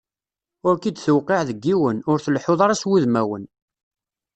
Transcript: Ur k-d-tewqiɛ deg yiwen, ur tleḥḥuḍ ara s wudmawen.